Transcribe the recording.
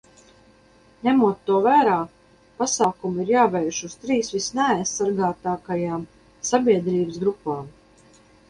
Ņemot to vērā, pasākumi ir jāvērš uz trīs visneaizsargātākajām sabiedrības grupām.